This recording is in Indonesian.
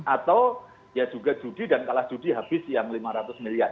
atau ya juga judi dan kalah judi habis yang lima ratus miliar